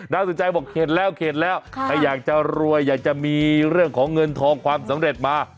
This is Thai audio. นางสุดใจบอกเขตแล้วอยากจะรวยอยากจะมีเรื่องของเงินทองความสำเร็จมา